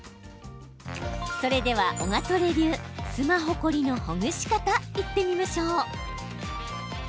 それではオガトレ流スマホ凝りのほぐし方いってみましょう。